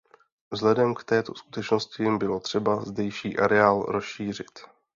Vzhledem k této skutečnosti bylo třeba zdejší areál rozšířit.